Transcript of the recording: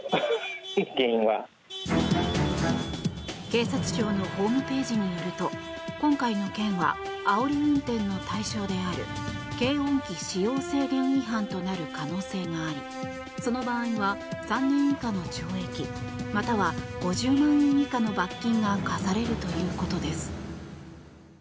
警察庁のホームページによると今回の件はあおり運転の対象である警音器使用制限違反となる可能性がありその場合は３年以下の懲役または５０万円以下の罰金が科されるということです。